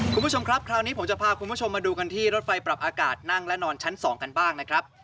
คุณผู้ชมครับคราวนี้ผมจะพาคุณผู้ชมมาดูกันที่รถไฟปรับอากาศนั่งและนอนชั้น๒กันบ้างนะครับ